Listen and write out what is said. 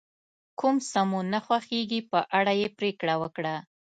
کوم څه مو نه خوښیږي په اړه یې پرېکړه وکړه.